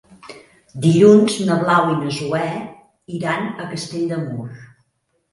Dilluns na Blau i na Zoè iran a Castell de Mur.